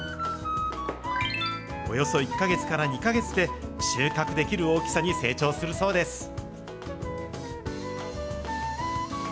およそ１か月から２か月で、収穫できる大きさに成長するそうです。